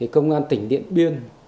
công an tỉnh điện biên